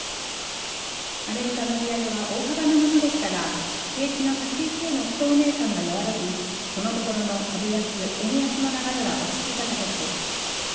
アメリカの利上げは大幅なものでしたが景気の先行きへの不透明感が和らぎこのところの株安円安の流れは落ち着いた形です。